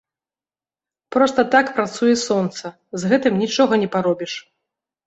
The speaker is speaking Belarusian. Проста так працуе сонца, з гэтым нічога не паробіш.